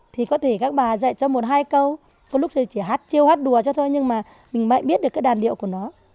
thì có thể các bà dạy cho một hai câu có lúc thì chỉ hát chiêu hát đùa cho thôi nhưng mà mình mãi biết được các đàn điệu của nó